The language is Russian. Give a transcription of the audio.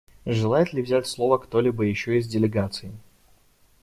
Желает ли взять слово кто-либо еще из делегаций?